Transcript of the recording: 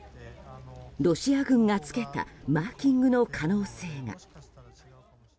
ロシア軍がつけたマーキングの可能性が。